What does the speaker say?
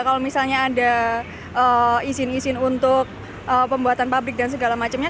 kalau misalnya ada izin izin untuk pembuatan pabrik dan segala macamnya